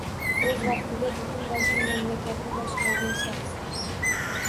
O‘z vaqtida butun boshli mamlakatni boshqargan shaxs